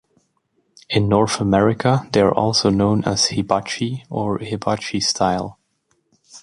In North America, they are also known as "Hibachi" or "Hibachi-style".